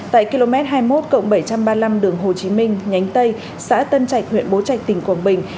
tại km hai mươi một bảy trăm ba mươi năm đường hồ chí minh nhánh tây xã tân trạch huyện bố trạch tỉnh quảng bình